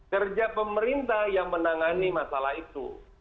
anget gereja pemerintah yang menangani masalah itu